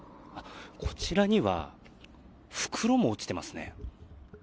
こちらには、袋も落ちていますね。